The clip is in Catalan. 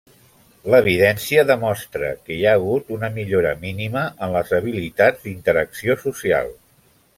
L'evidència demostra que hi ha hagut una millora mínima en les habilitats d'interacció social.